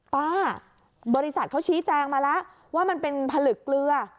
บริษัทเขาชี้แจงมาแล้วว่ามันเป็นผลึกเกลือ